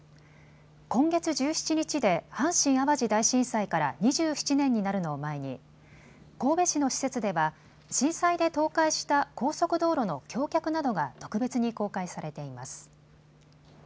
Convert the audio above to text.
今月１７日で阪神・淡路大震災から２７年になるのを前に神戸市の施設では震災で倒壊した高速道路の橋脚などが特別に公開されています。